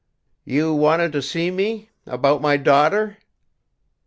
"You wanted to see me about my daughter?"